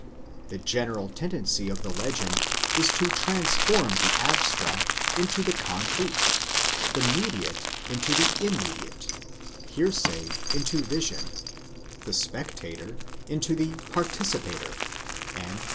The general tendency of the legend is to transform the abstract into the concrete, the mediate into the immediate, hearsay into vision, the spectator into the participator ; and as.